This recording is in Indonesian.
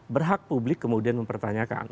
berhak publik kemudian mempertanyakan